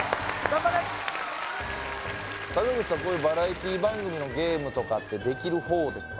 こういうバラエティ番組のゲームとかってできるほうですか？